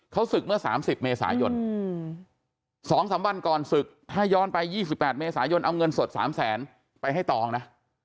เขาศึกเมื่อ๓๐เมษายนถ้าย้อนไป๒๘เมษายนเอาเงินสด๓๐๐๐ไปให้ตองนะ